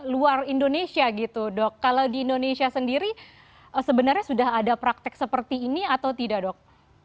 luar indonesia gitu dok kalau di indonesia sendiri sebenarnya sudah ada praktek seperti ini atau tidak dok